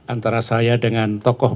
antara saya dengan tokoh